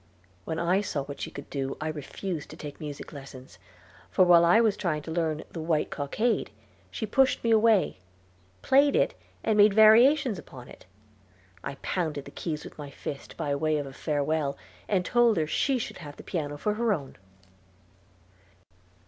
When I saw what she could do, I refused to take music lessons, for while I was trying to learn "The White Cockade," she pushed me away, played it, and made variations upon it. I pounded the keys with my fist, by way of a farewell, and told her she should have the piano for her own.